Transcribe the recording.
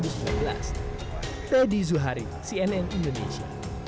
teddy zuhari cnn indonesia